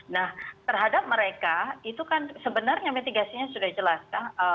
nah terhadap mereka itu kan sebenarnya mitigasinya sudah jelas kan